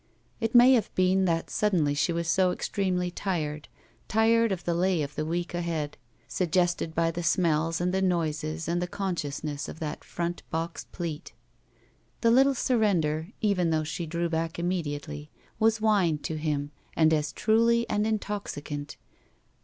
It may have been that sud denly she was so extremely tired — tired of the lay of the week ahead, suggested by the smells and the noises and the consciousness of that front box pleat. The little surrender, even though she drew back immediately, was wine to him and as truly an intoxicant.